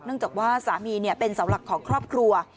จากว่าสามีเป็นเสาหลักของครอบครัว